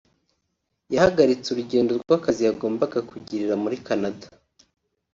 yahagaritse urugendo rw’akazi yagombaga kugirira muri Canada